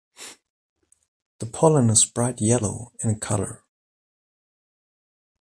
The pollen is bright yellow in colour.